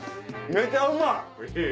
めちゃうまい！